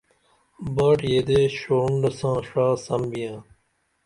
باٹ یدے ڜورونڈہ ساں ڜا سمبیاں